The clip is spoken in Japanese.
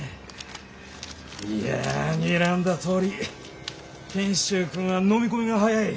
いやにらんだとおり賢秀君は飲み込みが早い！